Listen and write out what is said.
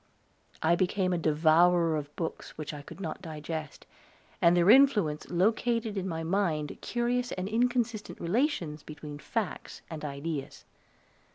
I became a devourer of books which I could not digest, and their influence located in my mind curious and inconsistent relations between facts and ideas.